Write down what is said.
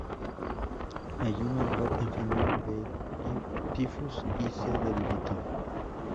Allí, Margot enfermó de tifus y se debilitó.